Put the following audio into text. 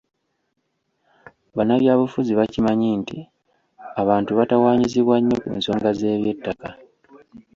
Bannabyabufuzi bakimanyi nti abantu batawaanyizibwa nnyo ku nsonga z’eby'ettaka.